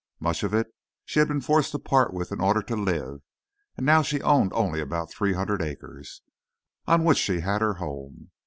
Much of it she had been forced to part with in order to live, and now she owned only about three hundred acres, on which she had her home.